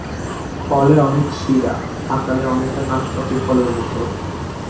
ফলে অনেক শিরা, আকারে অনেকটা নাশপাতি ফলের মতো।